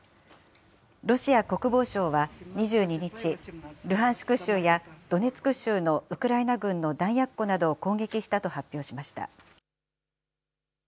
ロシア国防省は２２日、ルハンシク州やドネツク州のウクライナ軍の弾薬庫などを攻撃したと発表しました。